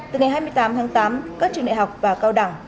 từ ngày hai mươi tám tháng tám các trường đại học và cao đẳng